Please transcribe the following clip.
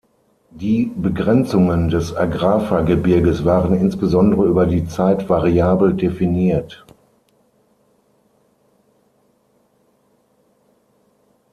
Die Begrenzungen des Agrafa-Gebirges waren insbesondere über die Zeit variabel definiert.